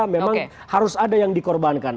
memang harus ada yang dikorbankan